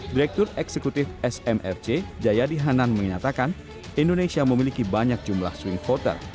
direktur eksekutif smrc jayadi hanan menyatakan indonesia memiliki banyak jumlah swing voter